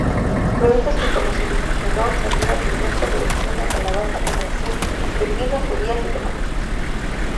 Productos que comercializa: melón, sandía, pimiento, berenjena, calabaza, calabacín, pepino, judías y tomate.